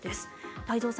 太蔵さん